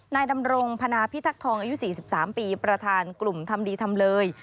นายดำรงพนาพิทักษองอายุ๔๓ปีประธานกลุ่มทำดีทำเลย